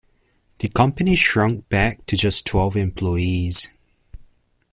The company shrunk back to just twelve employees.